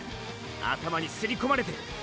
頭にすり込まれてる。